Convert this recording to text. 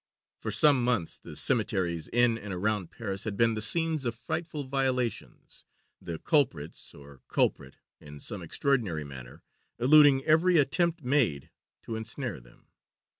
For some months the cemeteries in and around Paris had been the scenes of frightful violations, the culprits (or culprit), in some extraordinary manner, eluding every attempt made to ensnare them.